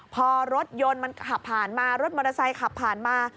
พอรถยนต์มันขับผ่านมารถมอเตอร์ไซค์ขับผ่านมา